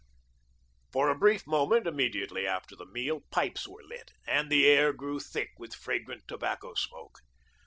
For a brief moment immediately after the meal, pipes were lit, and the air grew thick with fragrant tobacco smoke.